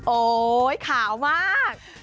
โอ๊ยขาวมาก